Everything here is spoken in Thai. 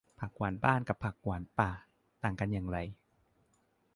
ผักหวานบ้านกับผักหวานป่า ต่างกันอย่างไร